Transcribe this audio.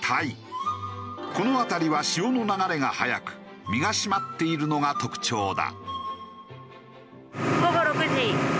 この辺りは潮の流れが速く身が締まっているのが特徴だ。